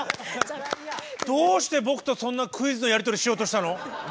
どうして僕とそんなクイズのやりとりしようとしたの？